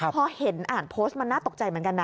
พอเห็นอ่านโพสต์มันน่าตกใจเหมือนกันนะ